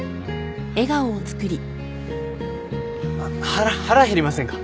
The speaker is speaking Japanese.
腹腹減りませんか？